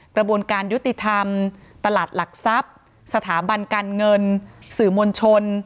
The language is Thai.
กระบวนการยุติธรรมตลาดหลักทรัพย์สถาบันการเงินสื่อมวลชน